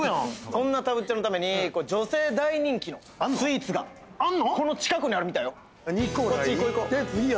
そんなたぶっちゃんのために、女性に大人気のスイーツがこの近くにあるみたいよ。